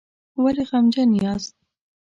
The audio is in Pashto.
ولې غمجن یاست؟